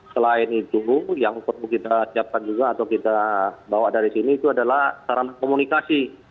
selain itu yang perlu kita siapkan juga atau kita bawa dari sini itu adalah sarana komunikasi